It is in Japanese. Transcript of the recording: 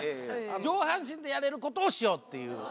上半身でやれることをしようっていう。